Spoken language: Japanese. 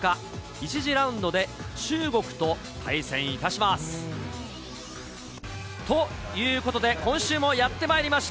１次ラウンドで中国と対戦いたします。ということで、今週もやってまいりました。